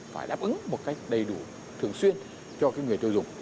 phải đáp ứng một cách đầy đủ thường xuyên cho cái người tiêu dụng